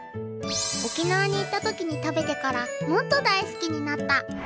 沖縄に行った時に食べてからもっと大好きになった。